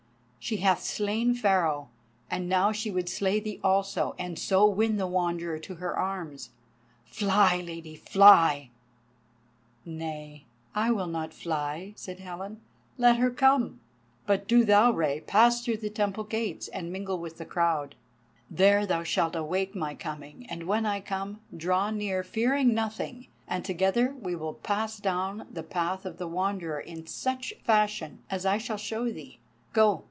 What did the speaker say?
She hath slain Pharaoh, and now she would slay thee also, and so win the Wanderer to her arms. Fly, Lady! Fly!" "Nay, I fly not," said Helen. "Let her come. But do thou, Rei, pass through the Temple gates and mingle with the crowd. There thou shalt await my coming, and when I come, draw near, fearing nothing; and together we will pass down the path of the Wanderer in such fashion as I shall show thee. Go!